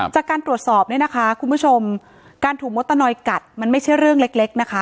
จากการตรวจสอบเนี่ยนะคะคุณผู้ชมการถูกมดตะนอยกัดมันไม่ใช่เรื่องเล็กนะคะ